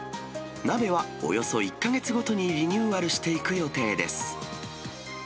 なべはおよそ１か月ごとにリニューアルしていく予定です。